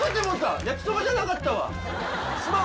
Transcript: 焼きそばじゃなかったわすまん！